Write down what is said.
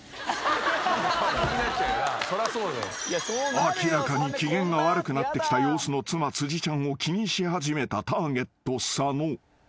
［明らかに機嫌が悪くなってきた様子の妻辻ちゃんを気にし始めたターゲット佐野］